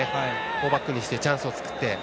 ４バックにしてチャンスを作って。